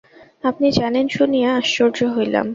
আপনি জানেন শুনিয়া আশ্চর্য হইলাম।